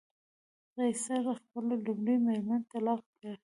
قیصر خپله لومړۍ مېرمن طلاق کړه.